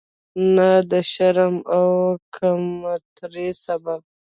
نه د شرم او کمترۍ سبب.